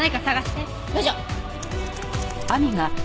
ラジャー！